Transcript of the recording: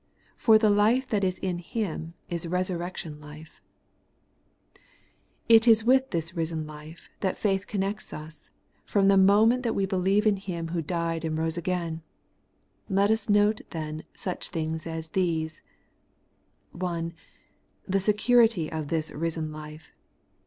For the life that is in Him is resurrection life. What the Resurrection of the Substitute has done, 135 It is with this risen life that faith connects us, from the moment that we believe in Him who died and rose again. Let us note, then, such things as these :— 1. The security of this risen life.